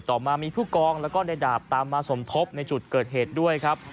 ต่อมามีผู้กองแล้วก็ในดาบตามมาสมทบในจุดเกิดเหตุด้วยครับ